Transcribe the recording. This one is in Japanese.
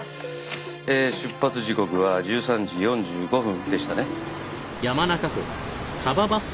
ええ出発時刻は１３時４５分でしたね。